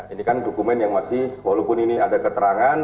ini kan dokumen yang masih walaupun ini ada keterangan